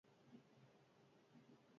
Erresuma Batuaren lurraldeko zati bat da.